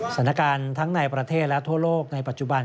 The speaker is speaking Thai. สถานการณ์ทั้งในประเทศและทั่วโลกในปัจจุบัน